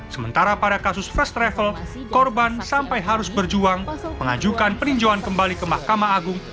sementara pada kasus first travel korban sampai harus berjuang mengajukan peninjauan kembali ke mahkamah agung